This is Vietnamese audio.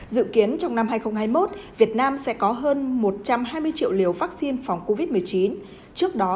dự kiến trong năm hai nghìn hai mươi một việt nam sẽ có hơn một trăm hai mươi triệu liều vaccine phòng covid một mươi chín trước đó